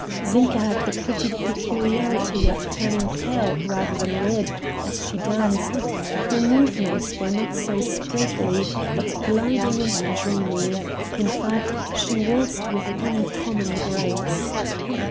Zinka had the pretty peculiarity of turning pale rather than red as she danced; her movements were not sprightly, but gliding and dreamy; in fact she waltzed with uncommon grace.